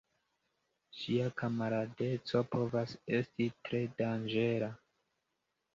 Ŝia kamaradeco povas esti tre danĝera.